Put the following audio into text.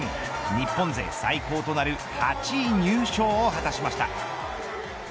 日本勢最高となる８位入賞を果たしました。